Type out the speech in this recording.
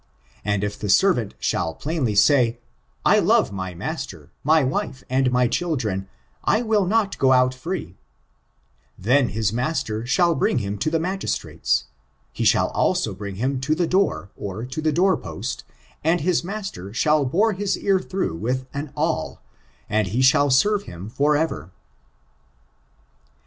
And if the servant shall plainly say, I love my I I master, my wife, and my children, I will not go out free, then his master shall bring him to the magistrates; be shall also bring him to the door, or to the door post, aod his master shall bore his ear through with an awl, and he shall serve him for ever."